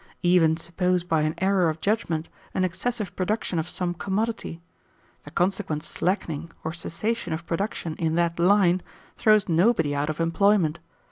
Even suppose by an error of judgment an excessive production of some commodity. The consequent slackening or cessation of production in that line throws nobody out of employment.